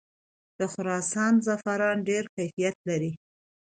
د خراسان زعفران ډیر کیفیت لري.